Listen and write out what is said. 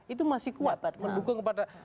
itu masih kuat mendukung kepada